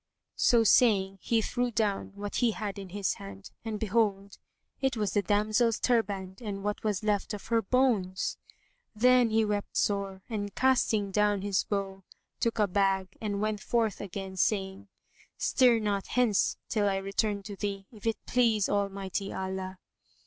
So saying, he threw down what he had in his hand, and behold, it was the damsel's turband and what was left of her bones. Then he wept sore and casting down his bow,[FN#138] took a bag and went forth again saying, "Stir not hence till I return to thee, if it please Almighty Allah."